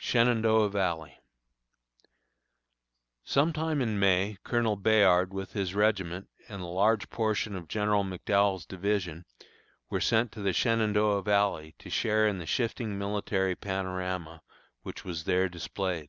SHENANDOAH VALLEY. Sometime in May Colonel Bayard with his regiment and a large portion of General McDowell's division were sent to the Shenandoah Valley to share in the shifting military panorama which was there displayed.